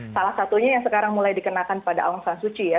salah satunya yang sekarang mulai dikenakan pada aung san suci ya